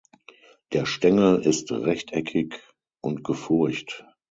Der Stängel ist rechteckig und gefurcht.